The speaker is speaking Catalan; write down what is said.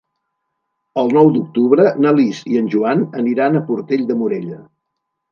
El nou d'octubre na Lis i en Joan aniran a Portell de Morella.